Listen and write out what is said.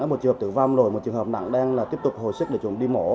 một trường hợp tử vong rồi một trường hợp nặng đang là tiếp tục hồi sức để chúng đi mổ